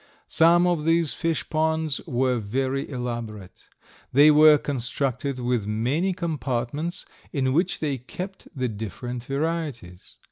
Some of these fish ponds were very elaborate. They were constructed with many compartments, in which they kept the different varieties.